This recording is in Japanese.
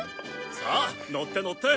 さあ乗って乗って！